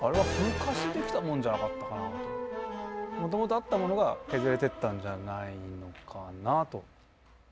もともとあったものが削れてったんじゃないのかなと。